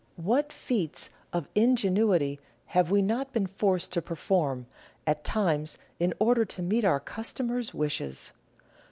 What feats of ingenuity have we not been forced to perform, at times, in order to meet our customers' wishes